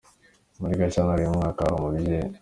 Muri Gashyantare uyu mwaka, hari umubyeyi